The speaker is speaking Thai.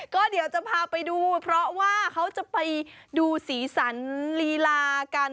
ก็เดี๋ยวจะพาไปดูเพราะว่าเขาจะไปดูสีสันลีลากัน